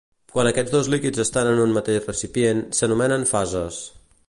Quan aquests dos líquids estan en un mateix recipient, s'anomenen fases.